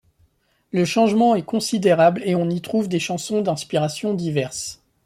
Le changement est considérable et on y trouve des chansons d'inspirations diverses.